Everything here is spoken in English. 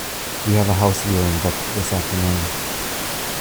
You have a house viewing booked this afternoon.